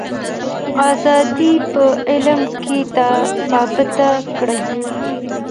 ازادي په عمل کي ثابته کړئ.